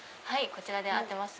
こちらで合ってます。